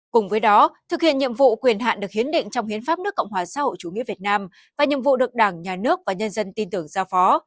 cùng với đó thực hiện nhiệm vụ quyền hạn được hiến định trong hiến pháp nước cộng hòa xã hội chủ nghĩa việt nam và nhiệm vụ được đảng nhà nước và nhân dân tin tưởng giao phó